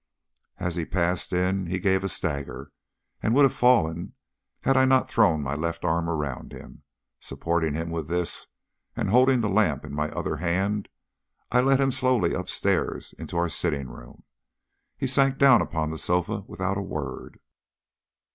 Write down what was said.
As he passed in he gave a stagger, and would have fallen had I not thrown my left arm around him. Supporting him with this, and holding the lamp in my other hand, I led him slowly upstairs into our sitting room. He sank down upon the sofa without a word.